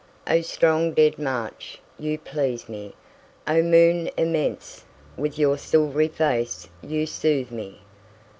8O strong dead march, you please me!O moon immense, with your silvery face you soothe me!